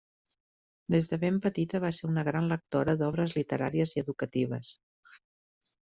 Des de ben petita va ser una gran lectora d'obres literàries i educatives.